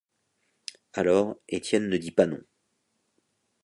Alors, Étienne ne dit pas non.